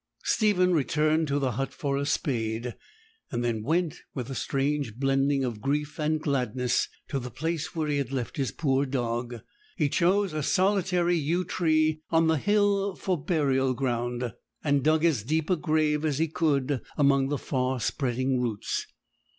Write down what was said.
Stephen returned to the hut for a spade, and then went, with a strange blending of grief and gladness, to the place where he had left his poor dog. He chose a solitary yew tree on the hill for the burial ground, and dug as deep a grave as he could among the far spreading roots.